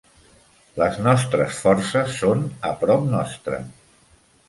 Les nostres forces són a prop nostre.